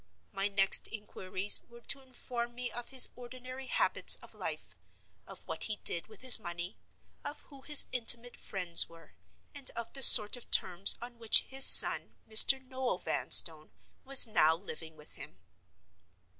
My next inquiries were to inform me of his ordinary habits of life; of what he did with his money; of who his intimate friends were; and of the sort of terms on which his son, Mr. Noel Vanstone, was now living with him.